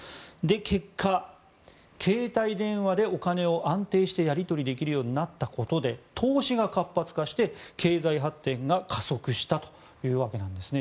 結果、携帯電話でお金を安定してやり取りできるようになったことで、投資が活発化して経済発展が加速したというわけなんですね。